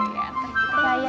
layannya manis ya